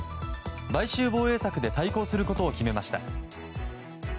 買収防衛策で対抗することを決めました。